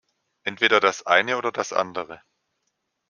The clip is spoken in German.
Entweder das eine oder das andere.